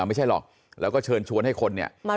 ไม่ใช่หรอกแล้วก็เชิญชวนให้คนเนี่ย